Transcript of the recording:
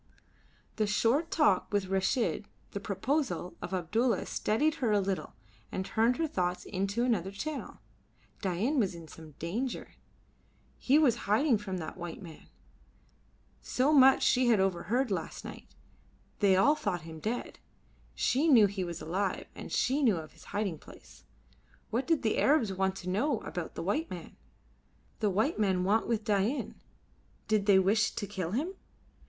The short talk with Reshid, the proposal of Abdulla steadied her a little and turned her thoughts into another channel. Dain was in some danger. He was hiding from white men. So much she had overheard last night. They all thought him dead. She knew he was alive, and she knew of his hiding place. What did the Arabs want to know about the white men? The white men want with Dain? Did they wish to kill him?